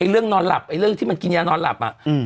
เรื่องนอนหลับไอ้เรื่องที่มันกินยานอนหลับ